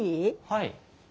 はい。